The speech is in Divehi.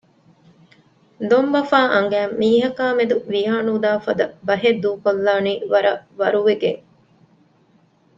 ދޮންބަފާ އަނގައިން މީހަކާ މެދު ވިޔާނުދާ ފަދަ ބަހެއް ދޫކޮށްލާނީ ވަރަށް ވަރުވެގެން